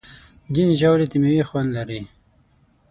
ځینې ژاولې د میوې خوند لري.